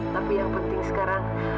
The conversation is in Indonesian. tapi yang penting sekarang